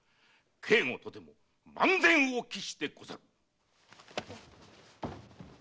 警護とて万全を期してござる。